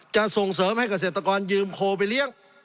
จะส่งเสริมให้เกษตรกรยืมโคไปเลี้ยง